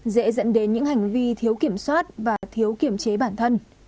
dễ dẫn đến những hành vi thiếu kiểm soát và thiếu kiểm chế bản thân